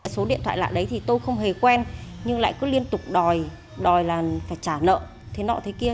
số điện thoại lạ đấy thì tôi không hề quen nhưng lại cứ liên tục đòi là phải trả nợ thế nọ thế kia